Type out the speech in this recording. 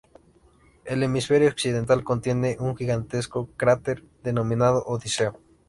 El hemisferio occidental contiene un gigantesco cráter denominado Odiseo.